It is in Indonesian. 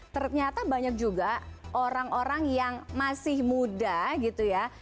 ternyata banyak juga orang orang yang masih muda gitu ya